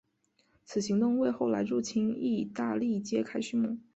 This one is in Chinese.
此行动为后来入侵义大利揭开续幕。